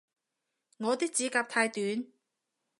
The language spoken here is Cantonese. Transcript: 我啲指甲太短